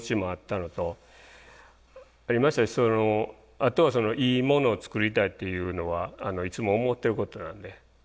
あといいものを作りたいっていうのはいつも思ってることなんで。